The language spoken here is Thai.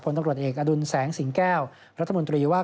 ตำรวจเอกอดุลแสงสิงแก้วรัฐมนตรีว่า